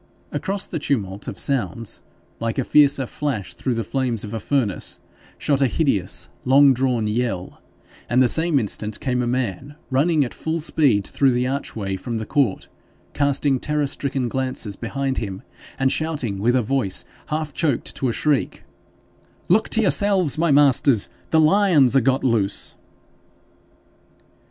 Across the tumult of sounds, like a fiercer flash through the flames of a furnace, shot a hideous, long drawn yell, and the same instant came a man running at full speed through the archway from the court, casting terror stricken glances behind him, and shouting with a voice half choked to a shriek 'Look to yourselves, my masters; the lions are got loose!'